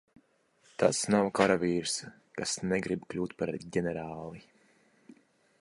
Tas nav karavīrs, kas negrib kļūt par ģenerāli.